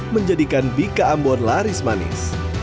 menjadikan bika ambon laris manis